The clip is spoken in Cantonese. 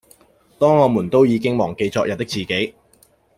當我們都已經忘記昨日的自己